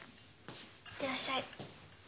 いってらっしゃい。